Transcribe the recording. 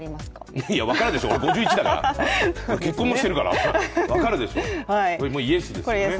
いやいや、分かるでしょう、俺、５１だから、結婚もしてるから、分かるでしょう。